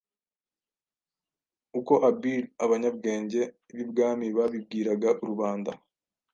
uko Abir abanyabwenge b’i Bwami babibwiraga rubanda.